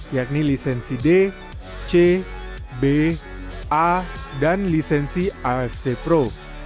yakni lisensi d c b a dan lisensi afc pro